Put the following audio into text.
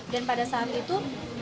dan pada saat itu